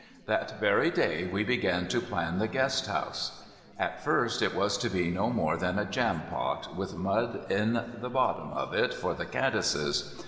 That very day we began to plan the guest house. At first it was to be no more than a jam pot, with mud in the bottom of it for the caddises.